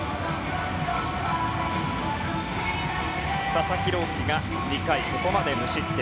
佐々木朗希が２回、ここまで無失点。